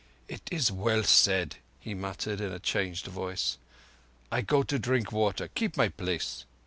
"It is well said," he muttered in a changed voice. "I go to drink water. Keep my place."